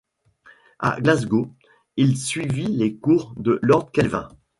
À Glasgow, il suivit les cours de Lord Kelvin.